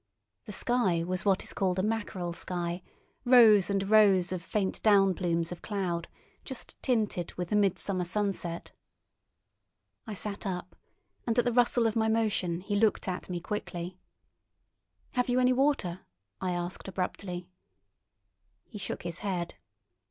The sky was what is called a mackerel sky—rows and rows of faint down plumes of cloud, just tinted with the midsummer sunset. I sat up, and at the rustle of my motion he looked at me quickly. "Have you any water?" I asked abruptly. He shook his head.